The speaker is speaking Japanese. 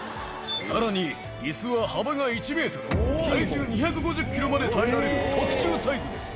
さらに、いすは幅が１メートル、体重２５０キロまで耐えられる特注サイズです。